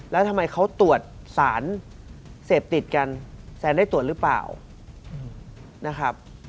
แล้วทำไมเขาตรวจสารเสพติดกันแซนได้ตรวจหรือเปล่านะครับ